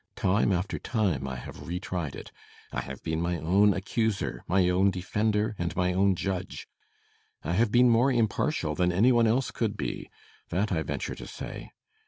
Time after time I have re tried it. I have been my own accuser, my own defender, and my own judge. I have been more impartial than any one else could be that I venture to say.